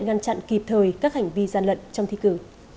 ngăn chặn kịp thời các hành vi gian lận trong thi cử